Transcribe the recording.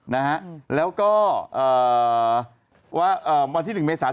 เนี่ยนะ